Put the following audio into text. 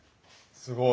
すごい。